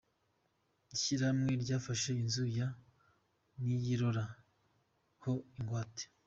Ishyirahamwe ryafashe inzu ya Niyirora ho ingwate.